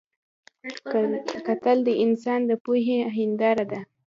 کتل د انسان د پوهې هنداره ده